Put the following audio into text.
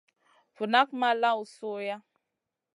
Vu nak ma lawn sui nʼa.